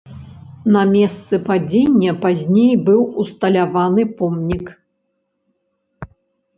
На месцы падзення пазней быў усталяваны помнік.